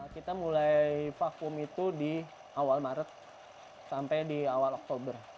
kita mulai vakum itu di awal maret sampai di awal oktober